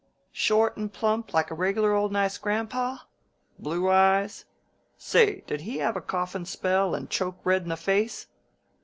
Short and plump, and a reg'lar old nice grandpa? Blue eyes? Say, did he have a coughin' spell and choke red in the face?